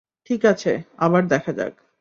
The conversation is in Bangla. ঠিক আছে, আবার দেখা যাক।